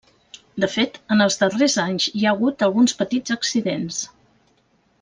De fet, en els darrers anys hi ha hagut alguns petits accidents.